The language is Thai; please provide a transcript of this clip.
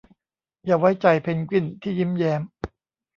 อย่าไว้ใจเพนกวินที่ยิ้มแย้ม